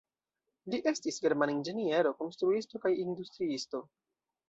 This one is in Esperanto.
Li estis germana inĝeniero, konstruisto kaj industriisto.